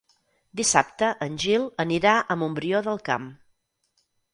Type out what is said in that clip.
Dissabte en Gil anirà a Montbrió del Camp.